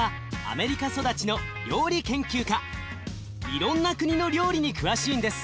いろんな国の料理に詳しいんです。